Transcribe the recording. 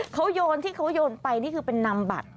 เขาโยนที่เขาโยนไปนี่คือเป็นนำบัตร